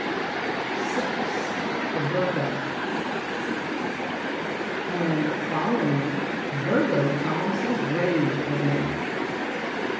VI. Virgo "And following Virgo calms his rage again."